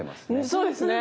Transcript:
そうですね。